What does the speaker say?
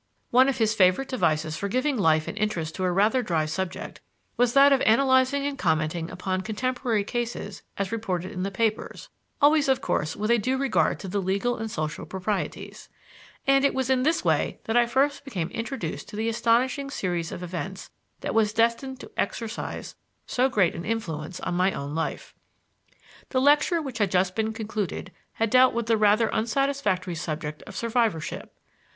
One of his favorite devices for giving life and interest to a rather dry subject was that of analyzing and commenting upon contemporary cases as reported in the papers (always, of course, with a due regard to the legal and social proprieties); and it was in this way that I first became introduced to the astonishing series of events that was destined to exercise so great an influence on my own life. The lecture which had just been concluded had dealt with the rather unsatisfactory subject of survivorship.